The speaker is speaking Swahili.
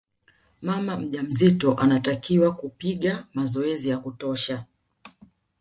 mama mjamzito anatakiwa kupiga mazoezi ya kutosha